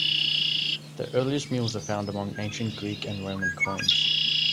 The earliest mules are found among ancient Greek and Roman coins.